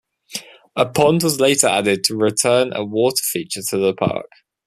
A pond was later added to return a water feature to the park.